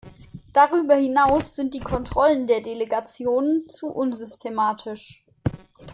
Darüber hinaus sind die Kontrollen der Delegationen zu unsystematisch.